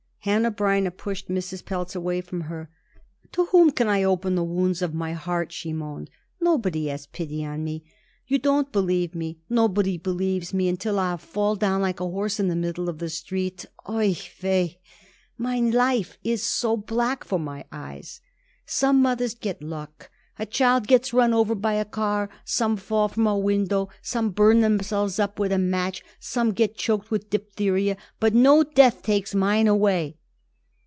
Hanneh Breineh pushed Mrs. Pelz away from her. "To whom can I open the wounds of my heart?" she moaned. "Nobody has pity on me. You don't believe me, nobody believes me until I'll fall down like a horse in the middle of the street. Oi weh! mine life is so black for my eyes. Some mothers got luck. A child gets run over by a car, some fall from a window, some burn themselves up with a match, some get choked with diphtheria; but no death takes mine away."